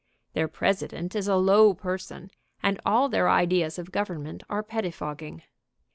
Their President is a low person, and all their ideas of government are pettifogging.